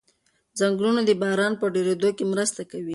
ځنګلونه د باران په ډېرېدو کې مرسته کوي.